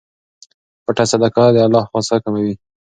په پټه صدقه د الله غصه کموي.